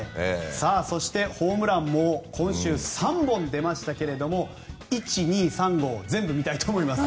そして、ホームランも今週３本出ましたが１、２、３号全部見たいと思います。